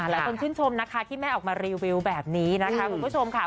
หลายคนชื่นชมนะคะที่แม่ออกมารีวิวแบบนี้นะคะคุณผู้ชมค่ะ